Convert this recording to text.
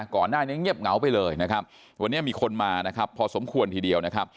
ก่อนหน้านี้เงียบเหงาไปเลยนะครับวันนี้มีคนมานะครับพอสมควรทีเดียวนะครับ